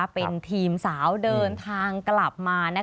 เป็นทีมสาวเดินทางกลับมา